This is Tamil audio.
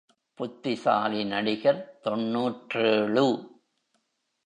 புத்திசாலி நடிகர் தொன்னூற்றேழு.